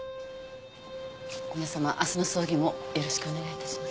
皆さま明日の葬儀もよろしくお願いいたします。